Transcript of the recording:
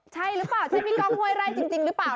ใช่หรือเปล่าใช่พี่ก้องห้วยไร่จริงหรือเปล่า